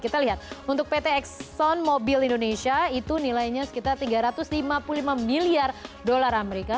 kita lihat untuk pt exxon mobil indonesia itu nilainya sekitar tiga ratus lima puluh lima miliar dolar amerika